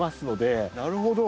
なるほど。